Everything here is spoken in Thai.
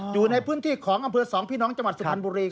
อยู่ในพื้นที่ของอำเภอสองพี่น้องจังหวัดสุพรรณบุรี